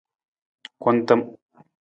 Kuntim.